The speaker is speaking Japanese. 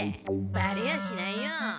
バレやしないよ。